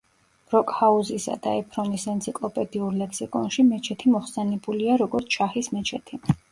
ბროკჰაუზისა და ეფრონის ენციკლოპედიურ ლექსიკონში მეჩეთი მოხსენებულია, როგორც „შაჰის მეჩეთი“.